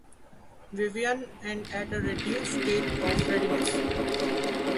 Vivian and at a reduced state of readiness.